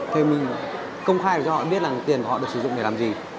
thì mình công khai cho họ biết là tiền của họ được sử dụng để làm gì